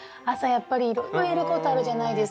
やっぱりいろいろやることあるじゃないですか。